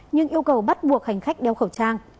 nhưng yêu cầu bắt buộc hành khách đeo khẩu trang